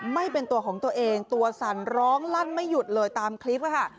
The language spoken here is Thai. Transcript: ไม่เป็นตัวของตัวเองตัวสั่นร้องลั่นไม่หยุดเลยตามคลิปค่ะ